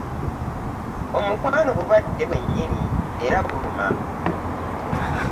Omukwano bulwadde bwennyini era buluma.